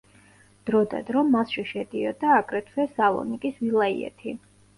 დროდადრო მასში შედიოდა, აგრეთვე, სალონიკის ვილაიეთი.